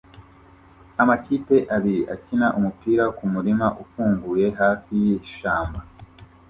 Amakipe abiri akina umupira kumurima ufunguye hafi yishyamba